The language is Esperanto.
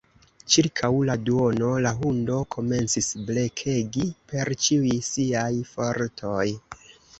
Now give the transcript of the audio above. Ĉirkaŭ la duono, la hundo komencis blekegi per ĉiuj siaj fortoj.